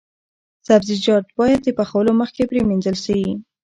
سبزیجات باید د پخولو مخکې پریمنځل شي.